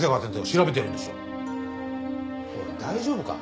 大丈夫か？